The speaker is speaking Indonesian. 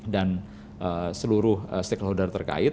dan seluruh stakeholder terkait